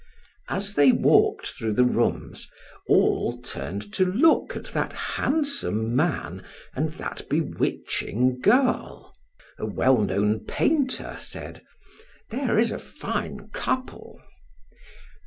As they walked through the rooms, all turned to look at that handsome man and that bewitching girl. A well known painter said: "There is a fine couple."